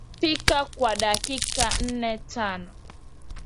Pika kwa dakika nnetano